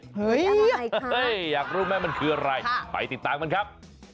เฮ้ยอยากรู้ไหมมันคืออะไรไปติดตามกันครับ